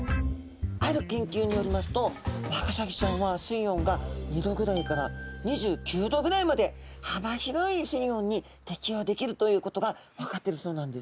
ある研究によりますとワカサギちゃんは水温が２℃ぐらいから２９℃ぐらいまで幅広い水温に適応できるということが分かってるそうなんです。